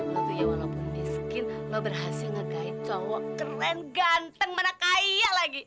tapi ya walaupun miskin lo berhasil ngegait cowok keren ganteng mana kaya lagi